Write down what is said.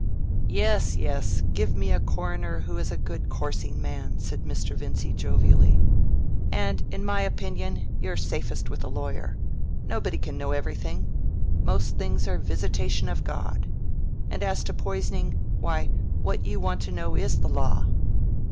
"Yes, yes, give me a coroner who is a good coursing man," said Mr. Vincy, jovially. "And in my opinion, you're safest with a lawyer. Nobody can know everything. Most things are 'visitation of God.' And as to poisoning, why, what you want to know is the law.